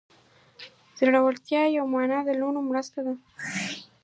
د زړورتیا یوه معنی له نورو سره مرسته ده.